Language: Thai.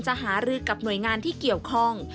หารือกับหน่วยงานที่เกี่ยวข้อง